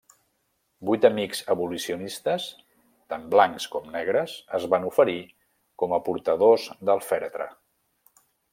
Vuit amics abolicionistes, tant blancs com negres, es van oferir com a portadors del fèretre.